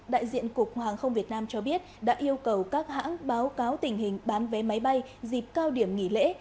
đại diện cục hàng không việt nam cho biết đã yêu cầu các hãng báo cáo tình hình bán vé máy bay dịp cao điểm nghỉ lễ